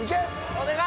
お願い！